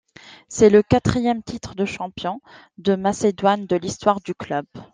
C'est le quatrième titre de champion de Macédoine de l'histoire du club.